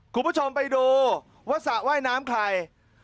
ขุมผู้ชมไปดูว่าสระไหว้น้ำใคร